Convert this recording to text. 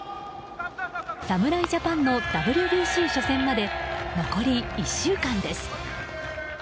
侍ジャパンのＷＢＣ初戦まで残り１週間です。